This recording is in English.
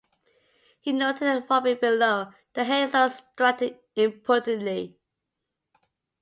He noted a robin below the hazels, strutting impudently.